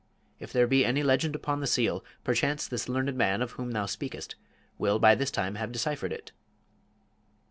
If there be any legend upon the seal, perchance this learned man of whom thou speakest will by this time have deciphered it?"